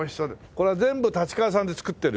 これは全部立川産で作ってる？